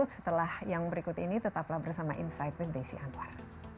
setelah yang berikut ini tetaplah bersama insight with desi anwar